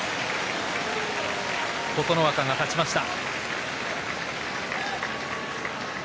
琴ノ若が勝ちました。